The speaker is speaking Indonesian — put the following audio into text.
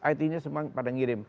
it nya semua pada ngirim